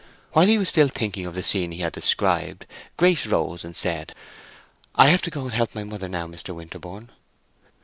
While he was still thinking of the scene he had described, Grace rose and said, "I have to go and help my mother now, Mr. Winterborne."